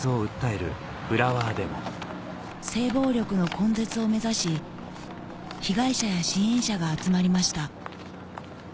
性暴力の根絶を目指し被害者や支援者が集まりました